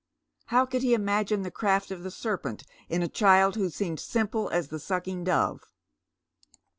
How could he imagine the craft of the serpent in a child who seemed simple as the sucking dove